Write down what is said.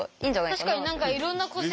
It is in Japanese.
確かに何かいろんな個性。